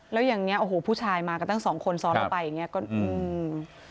แล้วอย่างเงี้โอ้โหผู้ชายมากันตั้งสองคนซ้อนเข้าไปอย่างเงี้ก็อืม